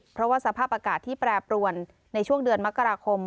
เพราะว่าสภาพอากาศที่แปรปรวนในช่วงเดือนมกราคม